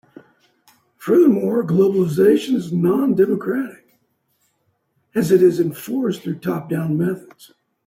Furthermore, globalization is non-democratic, as it is enforced through top-down methods.